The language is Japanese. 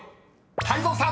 ［泰造さん］